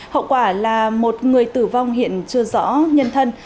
hậu quả là một người tử vong hiện chưa rõ nhân thân